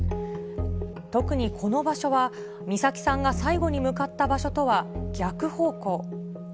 特にこの場所は、美咲さんが最後に向かった場所とは逆方向。